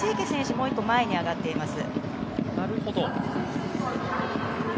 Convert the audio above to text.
もう１個前に上がっています。